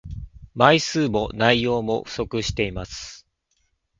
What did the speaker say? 枚数も内容も不足しています